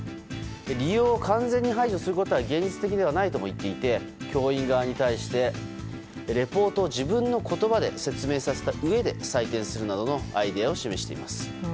利用を完全に排除することは現実的ではないとも言っていて教員側に対してレポートを自分の言葉で説明させたうえで採点するなどのアイデアを示しています。